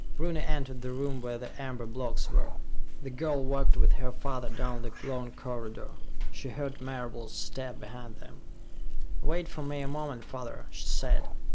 Rooney entered the room where the amber blocks were. The girl walked with her father down the long corridor. She heard Marable's step behind them. "Wait for me a moment, father," she said.